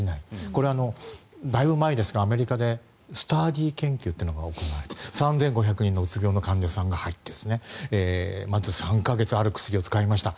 これはだいぶ前ですがアメリカですがスターディー研究というのが行われて３５００人のうつ病の患者さんが入ってまず３か月ある薬を使いました。